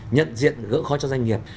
nhận diện gỡ khói cho doanh nghiệp